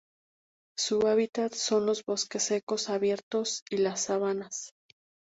Su hábitat son los bosques secos abiertos y las sabanas.